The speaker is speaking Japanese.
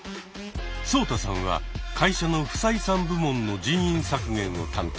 ソウタさんは会社の不採算部門の人員削減を担当。